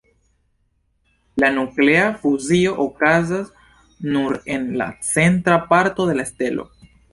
La nuklea fuzio okazas nur en la centra parto de la stelo.